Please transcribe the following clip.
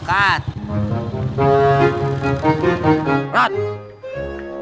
oh pak aida